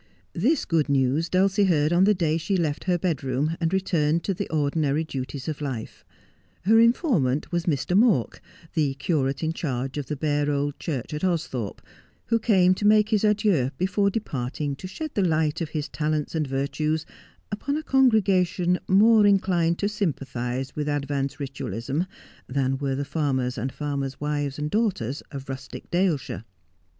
This good news Dulcie heard on the day die left her bed room, and returned to the ordinary duties of life. Her informant was Mr. Mawk, the curate in charge of the bare old church at Austhorpe, who came to make his adieux before departing to shed the light of his talents and virtues upon a congregation more inclined to sympathize with advanced Ritualism than were the farmers and farmers' wives and daughters of rustic Dale shire.